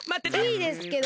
いいですけど。